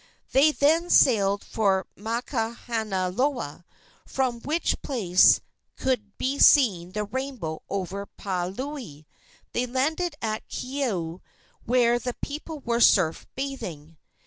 They then sailed for Makahanaloa, from which place could be seen the rainbow over Paliuli. They landed at Keaau, where the people were surf bathing.